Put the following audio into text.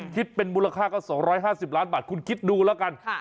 คิดเป็นมูลค่าก็๒๕๐ล้านบาทคุณคิดดูแล้วกัน